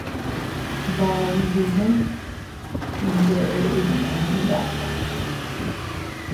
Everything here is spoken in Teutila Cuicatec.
Maubinne ndeʼe inña mdaʼa.